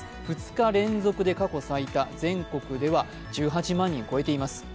２日連続で過去最多、全国では１８万人を超えています。